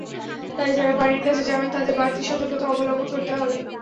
তাই যাঁরা পানির কাছে যাবেন, তাঁদের বাড়তি সতর্কতা অবলম্বন করতে হবে।